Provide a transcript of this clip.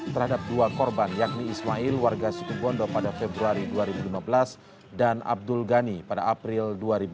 terhadap dua korban yakni ismail warga situbondo pada februari dua ribu lima belas dan abdul ghani pada april dua ribu dua puluh